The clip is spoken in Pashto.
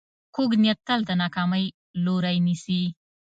کوږ نیت تل د ناکامۍ لوری نیسي